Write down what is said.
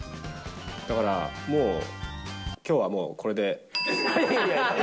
だからもう、きょうはもう、これで。